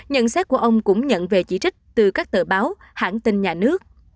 nhận xét của ông cũng nhận về chỉ trích từ các tờ báo hãng tin nhà nước